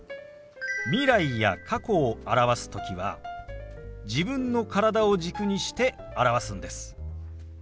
未来や過去を表す時は自分の体を軸にして表すんです。